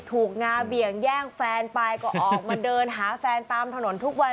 งาเบี่ยงแย่งแฟนไปก็ออกมาเดินหาแฟนตามถนนทุกวัน